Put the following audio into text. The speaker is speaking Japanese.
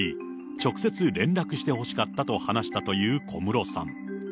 直接連絡してほしかったと話したという小室さん。